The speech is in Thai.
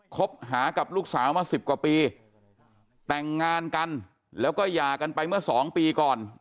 คบหากับลูกสาวมาสิบกว่าปีแต่งงานกันแล้วก็หย่ากันไปเมื่อสองปีก่อน